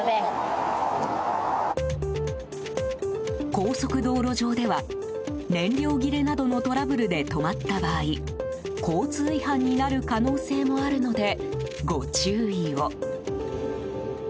高速道路上では燃料切れなどのトラブルで止まった場合交通違反になる可能性もあるのでご注意を。